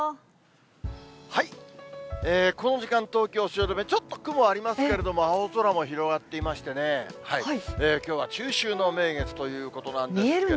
この時間、東京・汐留、ちょっと雲ありますけれども、青空も広がっていましてね、きょうは中秋の名月ということなんですけれども。